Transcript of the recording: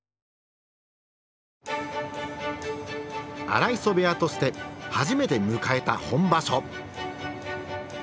荒磯部屋として初めて迎えた本場所。